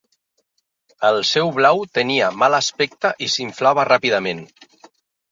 El seu blau tenia mal aspecte i s'inflava ràpidament.